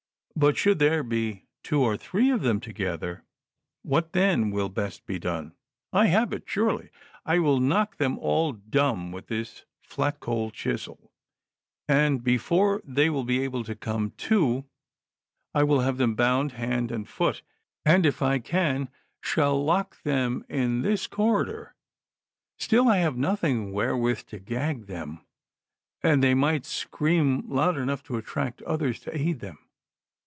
But, should there be two or three of them together, what then THE CONSPIRATORS AND LOVERS. 97 will best be done V I have it— surely ; I will knock them all dumb with this flat cold chisel, and before they will be able to come to, I will have them bound hand and foot, and if I can, shall lock tliem in tliis corridor ; still I have nothing wlierewith to gag them, and they might scream loud enough to attract others to aid them.